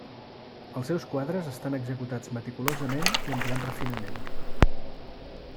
Els seus quadres estan executats meticulosament i amb gran refinament.